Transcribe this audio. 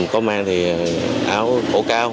có mang thì áo ổ cao